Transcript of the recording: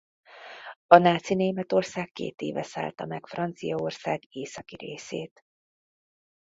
A náci Németország két éve szállta meg Franciaország északi részét.